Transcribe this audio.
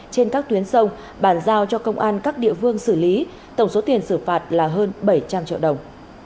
trên các tuyến sông bàn giao cho công an các địa phương xử lý tổng số tiền xử phạt là hơn bảy trăm linh triệu đồng